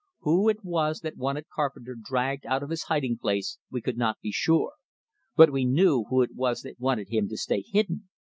Who it was that wanted Carpenter dragged out of his hiding place, we could not be sure, but we knew who it was that wanted him to stay hidden!